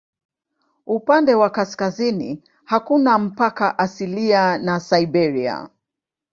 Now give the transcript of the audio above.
Upande wa kaskazini hakuna mpaka asilia na Siberia.